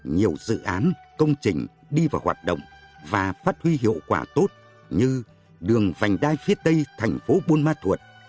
nhiều dự án công trình đi vào hoạt động và phát huy hiệu quả tốt như đường vành đai phía tây thành phố buôn ma thuột